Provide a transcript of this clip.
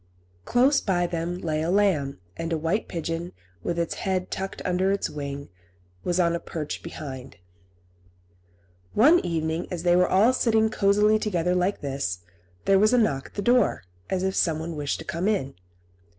Close by them lay a lamb, and a white pigeon, with its head tucked under its wing, was on a perch behind. One evening, as they were all sitting cosily together like this, there was a knock at the door, as if someone wished to come in.